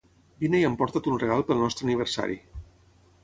vine i emporta't un regal pel nostre aniversari